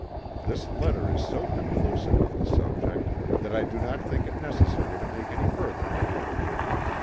This letter is so conclusive on the subject that I do not think it necessary to make any further inquiry.